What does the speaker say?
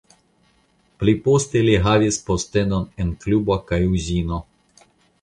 Pli poste li havis postenon en klubo kaj uzino.